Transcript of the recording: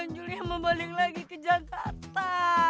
anjurnya membalik lagi ke jakarta